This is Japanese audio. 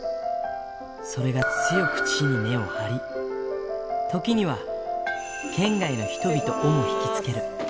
それが強く地に根を張り、時には、県外の人々をも引き付ける。